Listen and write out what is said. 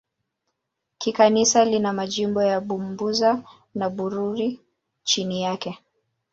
Kikanisa lina majimbo ya Bubanza na Bururi chini yake.